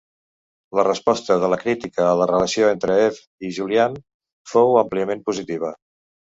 La resposta de la crítica a la relació entre Eve i Julian fou àmpliament positiva.